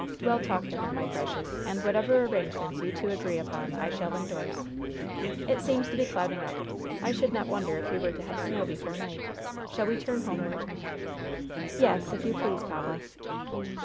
Well, talk to her, my precious, and whatever arrangements you two agree upon I shall indorse. It seems to be clouding up. I should not wonder if we were to have snow before night. Shall we turn homeward?" "Yes, if you please, papa."